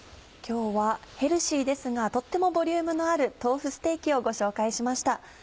今日はヘルシーですがとってもボリュームのある豆腐ステーキをご紹介しました。